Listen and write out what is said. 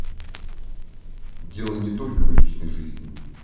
Дело не только в личной жизни.